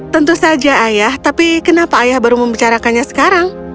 tentu saja ayah tapi kenapa ayah baru membicarakannya sekarang